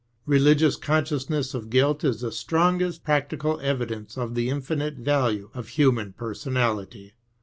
Religious consciousness of guilt is the strongest practical evidence of the infinite value of human personality.